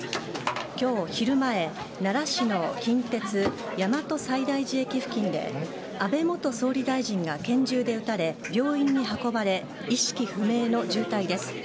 今日昼前、奈良市の近鉄大和西大寺駅付近で安倍元総理大臣が拳銃で撃たれ病院に運ばれ意識不明の重体です。